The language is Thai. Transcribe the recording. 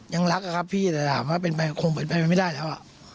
ยังรักอะครับพี่แต่ถามว่าเป็นไปคงเป็นไปไม่ได้แล้ว